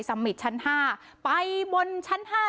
สำหรัฐชั้นห้าไปบนชั้นห้า